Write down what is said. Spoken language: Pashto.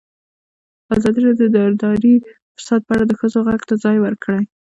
ازادي راډیو د اداري فساد په اړه د ښځو غږ ته ځای ورکړی.